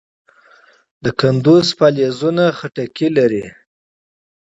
د کندز باغونه خربوزې لري.